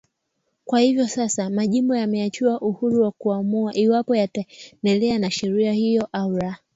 Kwa hivyo sasa, majimbo yameachiwa uhuru wa kuamua iwapo yataendelea na sheria hiyo au la.